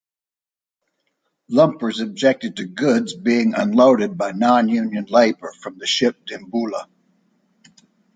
Lumpers objected to goods being unloaded by non-union labour from the ship "Dimboola".